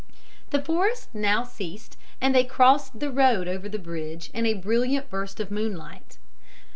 "The forest now ceased, and they crossed the road over the bridge in a brilliant burst of moonlight.